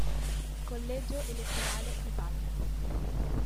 Collegio elettorale di Palmi